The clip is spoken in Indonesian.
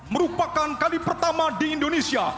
merupakan kali pertama di indonesia